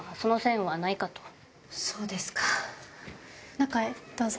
中へどうぞ。